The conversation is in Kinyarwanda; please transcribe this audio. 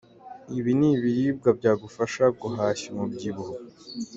Ibi ni ibiribwa byagufasha guhashya umubyibuho.